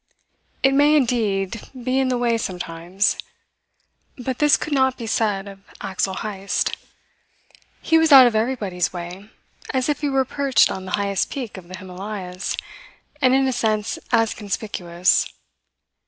It may, indeed, be in the way sometimes; but this could not be said of Axel Heyst. He was out of everybody's way, as if he were perched on the highest peak of the Himalayas, and in a sense as conspicuous.